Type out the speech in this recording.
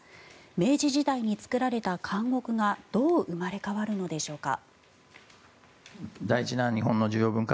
明治時代に作られた監獄がどう生まれ変わるのでしょうか。